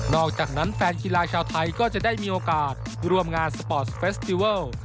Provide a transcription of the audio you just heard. อกจากนั้นแฟนกีฬาชาวไทยก็จะได้มีโอกาสร่วมงานสปอร์ตสเฟสติเวิล